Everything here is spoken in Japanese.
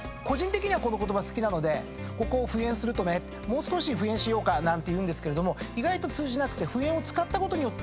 個人的にはこの言葉好きなのでここを敷衍するとねもう少し敷衍しようかなんて言うんですけれども意外と通じなくて。